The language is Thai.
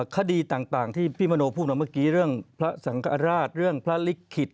คดีต่างที่พี่มโนพูดมาเมื่อกี้เรื่องพระสังกราชเรื่องพระลิขิต